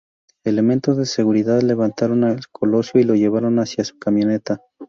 Elementos de seguridad levantaron a Colosio y lo llevaron hacia su camioneta.